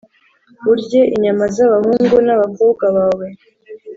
urye inyama z’abahungu n’abakobwa bawe